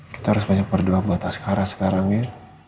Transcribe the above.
kita harus banyak berdoa buat askara sekarang ya